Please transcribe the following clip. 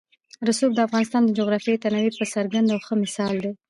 رسوب د افغانستان د جغرافیوي تنوع یو څرګند او ښه مثال دی.